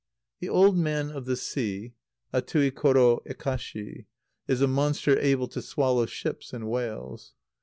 _ The Old Man of the Sea (Atui koro ekashi) is a monster able to swallow ships and whales.